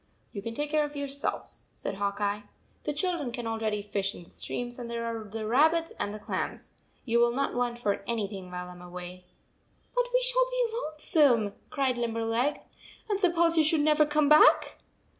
"You can take care of yourselves/ said Hawk Eye. "The children can already fish in the streams, and there are the rabbits and the clams. You will not want for anything while I am away." " But we shall be lonesome," cried Lim berleg; "and suppose you should never come back!